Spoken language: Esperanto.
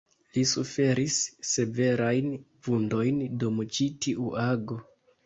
Li suferis severajn vundojn dum ĉi tiu ago.